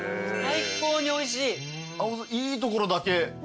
いいところだけ。